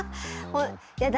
やだ。